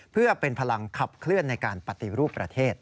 เพื่อเป็นพลังขับเคลื่อนในการปฏิรูปประเทศ